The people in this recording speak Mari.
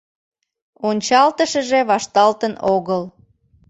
Ончалтышыже вашталтын огыл.